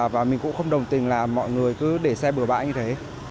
và mình cũng không đồng tình là mọi người cứ để xe bừa bãi như thế